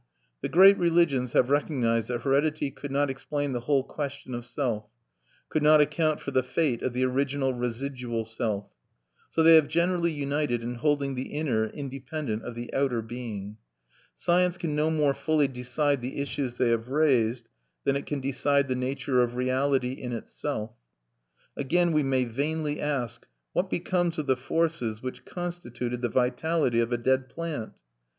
The great religions have recognized that heredity could not explain the whole question of self, could not account for the fate of the original residual self. So they have generally united in holding the inner independent of the outer being. Science can no more fully decide the issues they have raised than it can decide the nature of Reality in itself. Again we may vainly ask, What becomes of the forces which constituted the vitality of a dead plant?